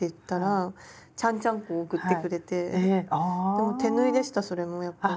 でも手縫いでしたそれもやっぱり。